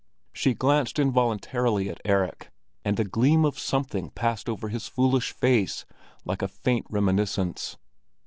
She glanced involuntarily at Erik, and a gleam of something passed over his foolish face, like a faint reminiscence.